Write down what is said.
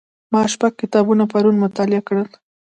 ما شپږ کتابونه پرون مطالعه کړل.